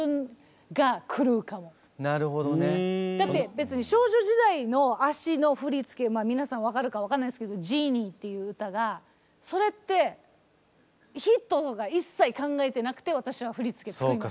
だって別に少女時代の脚の振付皆さん分かるか分かんないですけど「ＧＥＮＩＥ」っていう歌がそれってヒットとか一切考えてなくて私は振付作りました。